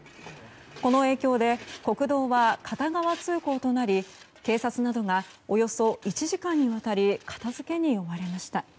この影響で国道は片側通行となり警察などがおよそ１時間にわたり片づけに追われました。